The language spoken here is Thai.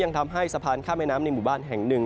ทำให้สะพานข้ามแม่น้ำในหมู่บ้านแห่งหนึ่ง